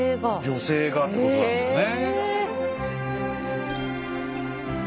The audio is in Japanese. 女性がってことなんだね。